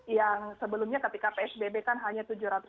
yang sebelumnya ketika psbb kan hanya tujuh ratus lima puluh